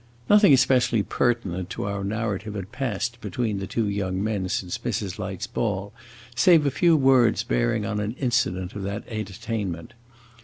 Nothing especially pertinent to our narrative had passed between the two young men since Mrs. Light's ball, save a few words bearing on an incident of that entertainment.